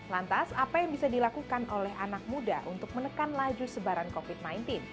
lantas apa yang bisa dilakukan oleh anak muda untuk menekan laju sebaran covid sembilan belas